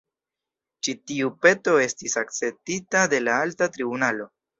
Ĉi tiu peto estis akceptita de la alta tribunalo.